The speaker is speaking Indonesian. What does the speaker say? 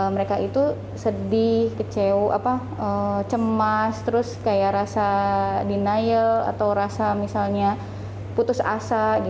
mereka itu sedih kecewa cemas terus kayak rasa denial atau rasa misalnya putus asa